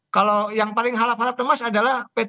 kalau yang paling harap harap lemas adalah p tiga